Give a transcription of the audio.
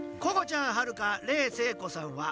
ここちゃんはるか冷静子さん